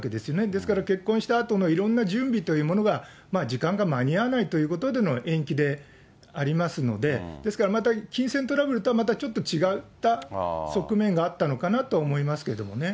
ですから結婚したあとのいろんな準備というものが、時間が間に合わないということでの延期でありますので、ですから、また金銭トラブルとはまたちょっと違った側面があったのかなと思いますけどもね。